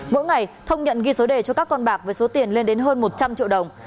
mỗi ngày thông nhận ghi số đề cho các con bạc với số tiền lên đến hơn một trăm linh triệu đồng